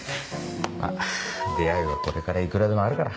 まっ出会いはこれからいくらでもあるから。